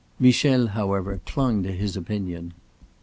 Michel, however, clung to his opinion.